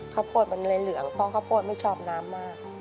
ข้าวโพดมันเลยเหลืองเพราะข้าวโพดไม่ชอบน้ำมาก